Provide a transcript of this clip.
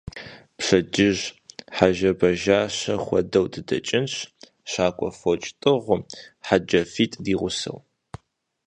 Пщэдджыжь хьэжэбэжащэ хуэдэу дыдэкӀынщ, щакӀуэ фоч тӀыгъыу, хьэджафитӀ ди гъусэу.